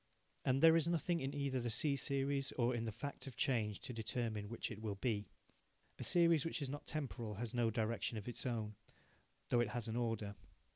And there is nothing either in the C series or in the fact of change to determine which it will be. A series which is not temporal has no direction of its own, though it has an order.